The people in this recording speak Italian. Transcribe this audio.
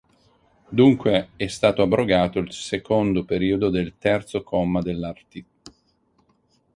Dunque, è stato abrogato il secondo periodo del terzo comma dell'art.